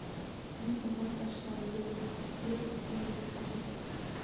Мин уға ташландым, ҡысҡырып әсәйемде саҡырҙым.